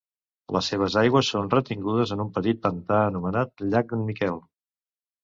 Les seves aigües són retingudes en un petit pantà anomenat llac d'en Miquel.